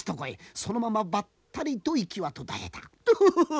そのままバッタリと息は途絶えた。